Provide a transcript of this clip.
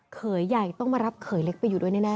เขยใหญ่ต้องมารับเขยเล็กไปอยู่ด้วยแน่